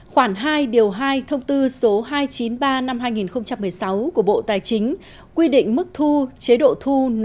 khoảng hai điều hai thông tư số hai trăm chín mươi ba năm hai nghìn một mươi sáu của bộ tài chính quy định mức thu chế độ thu